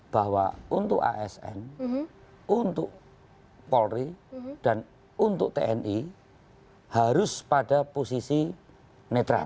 bahwa untuk asn untuk polri dan untuk tni harus pada posisi netral